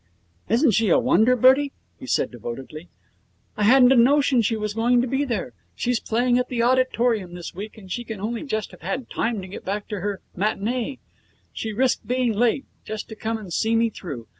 'Isn't she a wonder, Bertie?' he said, devoutly. 'I hadn't a notion she was going to be there. She's playing at the Auditorium this week, and she can only just have had time to get back to her matinee. She risked being late, just to come and see me through.